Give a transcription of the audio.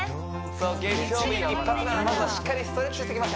そう月曜日一発目はまずはしっかりストレッチしていきます